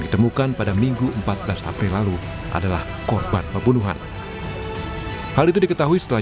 keterangan dari saksi bahwa korban itu setelah